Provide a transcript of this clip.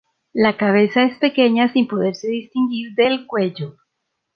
La cabeza es pequeña sin poderse distinguir del cuello.